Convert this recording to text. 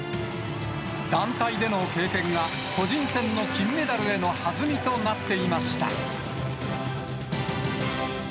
団体での経験が、個人戦の金メダルへの弾みとなっていました。